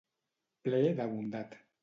Ple de bondat.